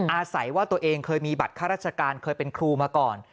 อาศัยว่าตัวเองเคยมีบัตรข้าราชการเคยเป็นครูมาก่อน